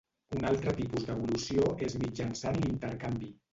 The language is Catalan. Un altre tipus d'evolució és mitjançant l'intercanvi.